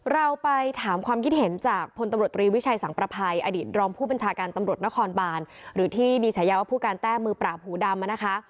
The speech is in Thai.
เราไปถามความคิดเห็นจากพลตำรวจตรีวิชัยสังประภัยอดีตรองผู้บัญชาการตำรวจนครบานหรือที่มีฉายาว่าผู้การแต้มมือปราบหูดำนะคะ